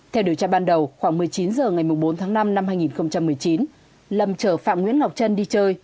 theo điều tra ban đầu khoảng một mươi chín h ngày bốn tháng năm năm hai nghìn một mươi chín lâm chở phạm nguyễn ngọc trân đi chơi